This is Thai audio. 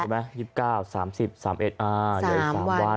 วันนี้๒๘ใช่ไหม๒๙๓๐๓๑อ่า๓วัน